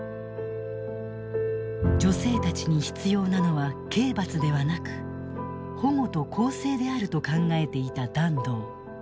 女性たちに必要なのは刑罰ではなく保護と更生であると考えていた團藤。